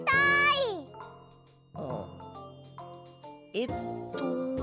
えっと。